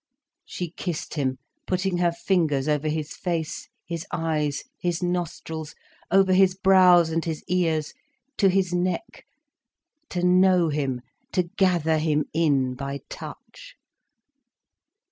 She kissed him, putting her fingers over his face, his eyes, his nostrils, over his brows and his ears, to his neck, to know him, to gather him in by touch.